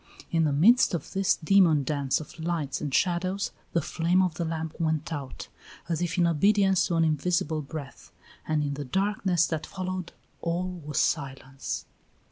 In the midst of this demon dance of lights and shadows, the flame of the lamp went out, as if in obedience to an invisible breath, and in the darkness that followed all was silence.